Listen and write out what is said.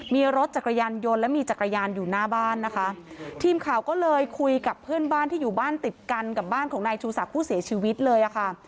มีรถจักรยานยนต์และมีจักรยานอยู่หน้าบ้านนะคะทีมข่าวก็เลยคุยกับเพื่อนบ้านที่อยู่บ้านติดกันกับบ้านของนายชูศักดิ์ผู้เสียชีวิตเลยอ่ะค่ะ